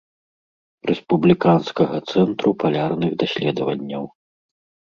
Рэспубліканскага цэнтру палярных даследаванняў.